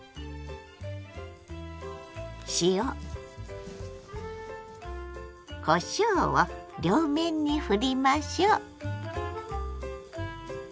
塩こしょうを両面にふりましょう。